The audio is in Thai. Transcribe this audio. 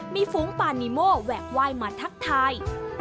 มีฟุ้งป่านิโม่แวกไวมาทักทาย